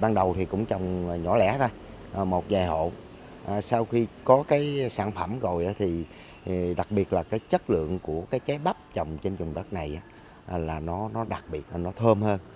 ban đầu thì cũng trồng nhỏ lẻ thôi một vài hộ sau khi có sản phẩm rồi thì đặc biệt là chất lượng của trái bắp trồng trên vùng đất này là nó đặc biệt nó thơm hơn